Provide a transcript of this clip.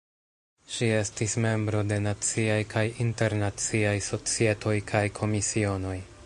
Ŝi estis membro de Naciaj kaj Internaciaj Societoj kaj Komisionoj.